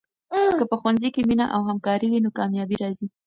که په ښوونځي کې مینه او همکاري وي، نو کامیابي راځي.